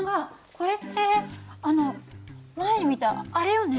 これって前に見たあれよね？